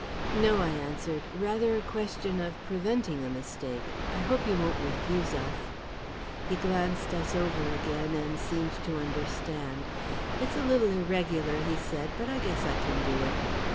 "No," I answered; "rather a question of preventing a mistake. I hope you won't refuse us." He glanced us over again and seemed to understand. "It's a little irregular," he said; "but I guess I can do it."